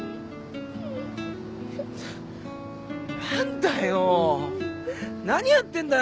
何だよ何やってんだよ。